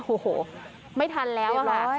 โอ้โหไม่ทันแล้วค่ะ